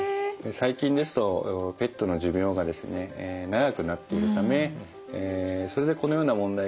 最近ですとペットの寿命がですね長くなっているためそれでこのような問題が起き始めたのかもしれません。